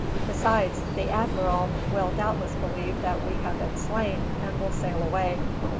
Besides, the admiral will doubtless believe that we have been slain, and will sail away.